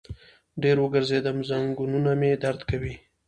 ډېر وګرځیدم، زنګنونه مې درد کوي